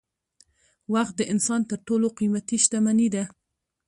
وخت د انسان تر ټولو قیمتي شتمني ده